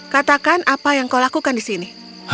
katakan apa yang kau lakukan di sini